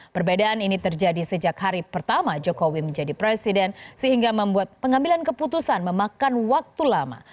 perbedaan ini terjadi sejak hari pertama jokowi menjadi presiden sehingga membuat pengambilan keputusan memakan waktu lama